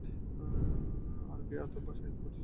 আরবি আদব বা সাহিত্যও পাঠ্যসূচির অন্তর্ভুক্ত হয়।